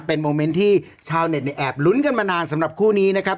เป็นโมเมนต์ที่ชาวเน็ตเนี่ยแอบลุ้นกันมานานสำหรับคู่นี้นะครับ